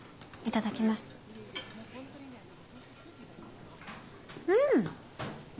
いただきますうん！